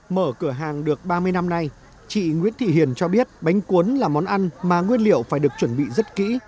mở cửa hàng được ba mươi năm nay chị nguyễn thị hiền cho biết bánh cuốn là món ăn mà nguyên liệu phải được chuẩn bị rất kỹ